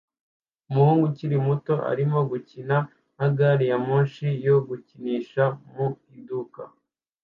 Umuhungu ukiri muto arimo gukina na gari ya moshi yo gukinisha mu iduka